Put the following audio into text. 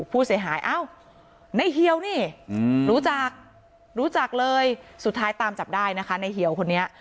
ผู้เสียหายอ้าวนายเฮียวนี่รู้จักรู้จักเลยสุดท้ายตามจับได้นะคะนายเฮียวคนนี้